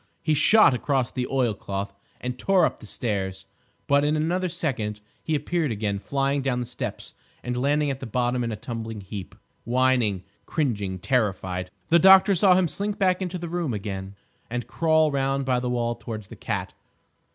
He shot across the oilcloth, and tore up the stairs, but in another second he appeared again, flying down the steps and landing at the bottom in a tumbling heap, whining, cringing, terrified. The doctor saw him slink back into the room again and crawl round by the wall towards the cat.